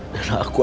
dan aku harus